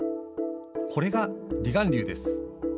これが離岸流です。